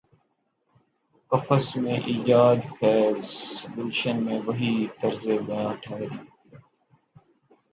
قفس میں ایجادفیض، گلشن میں وہی طرز بیاں ٹھہری ہے۔